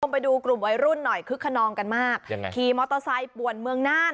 ไปดูกลุ่มวัยรุ่นหน่อยคึกขนองกันมากยังไงขี่มอเตอร์ไซค์ป่วนเมืองน่าน